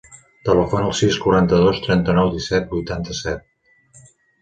Telefona al sis, quaranta-dos, trenta-nou, disset, vuitanta-set.